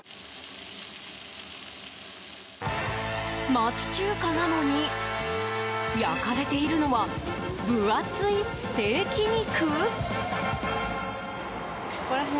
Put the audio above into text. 町中華なのに焼かれているのは分厚いステーキ肉？